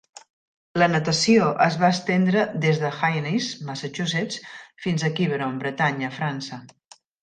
La natació es va estendre des de Hyannis, Massachusetts fins a Quiberon, Bretanya, França.